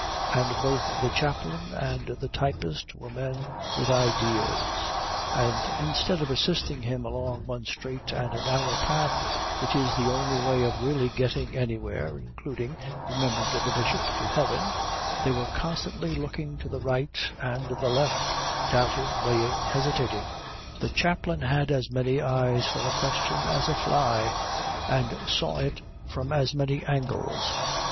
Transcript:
And both the chaplain and the typist were men with ideas, and instead of assisting him along one straight and narrow path which is the only way of really getting anywhere, including, remembered the Bishop, to heaven, they were constantly looking to the right and the left, doubting, weighing, hesitating. The chaplain had as many eyes for a question as a fly, and saw it from as many angles.